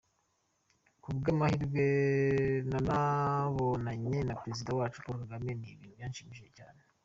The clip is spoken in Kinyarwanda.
Ku bw’amahirwe nanabonanye na Perezida wacu Paul Kagame, ni ibintu byanshimishije cyane.